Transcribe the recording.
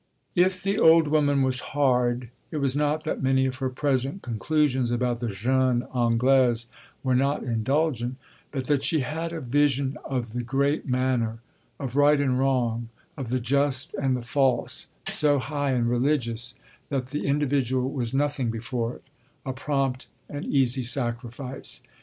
If the old woman was hard it was not that many of her present conclusions about the jeune Anglaise were not indulgent, but that she had a vision of the great manner, of right and wrong, of the just and the false, so high and religious that the individual was nothing before it a prompt and easy sacrifice.